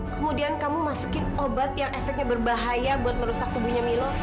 kemudian kamu masukin obat yang efeknya berbahaya buat merusak tubuhnya milo